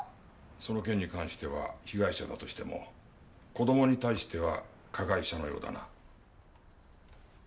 その件に関しては被害者だとしても子供に対しては加害者のようだな。